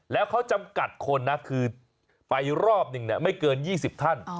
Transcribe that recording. แล้วเขาจำกัดคนนะคือไปรอบหนึ่งไม่เกิน๒๐ท่าน